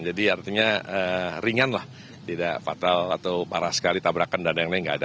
jadi artinya ringan lah tidak fatal atau parah sekali tabrakan dan lain lain tidak ada